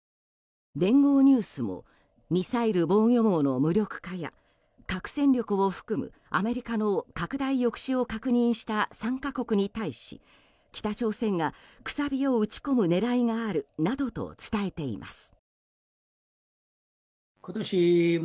聯合ニュースもミサイル防御網の無力化や核戦力を含むアメリカの拡大抑止を確認した３か国に対し北朝鮮がくさびを打ち込む狙いがあるなどと伝えています。